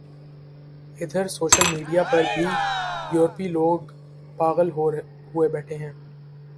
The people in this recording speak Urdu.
ادھر سوشل میڈیا پر بھی ، یورپی لوگ پاغل ہوئے بیٹھے ہیں ۔